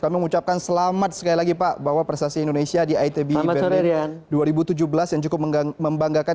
kami mengucapkan selamat sekali lagi pak bahwa prestasi indonesia di itb event dua ribu tujuh belas yang cukup membanggakan